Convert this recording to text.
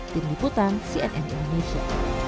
tim liputan cnn indonesia